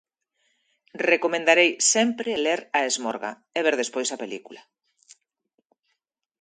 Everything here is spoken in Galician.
Recomendarei sempre ler "A Esmorga" e ver despois a película.